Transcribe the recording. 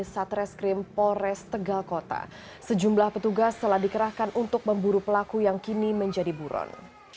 satreskrim polres tegal kota sejumlah petugas telah dikerahkan untuk memburu pelaku yang kini menjadi buron